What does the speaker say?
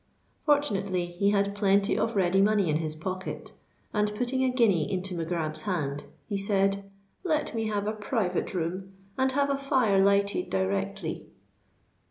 Fortunately, he had plenty of ready money in his pocket; and, putting a guinea into Mac Grab's hand, he said, "Let me have a private room; and have a fire lighted directly."